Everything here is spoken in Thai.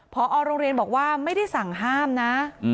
พอโรงเรียนบอกว่าไม่ได้สั่งห้ามนะ